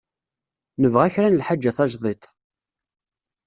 Nebɣa kra n lḥaǧa tajdidt.